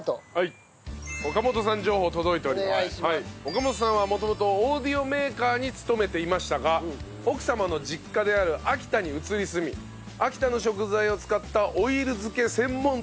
岡本さんは元々オーディオメーカーに勤めていましたが奥様の実家である秋田に移り住み秋田の食材を使ったオイル漬け専門店を作りました。